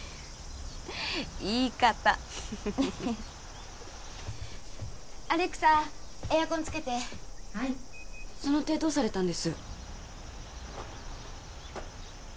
言い方フフフフアレクサエアコンつけて「はい」その手どうされたんです？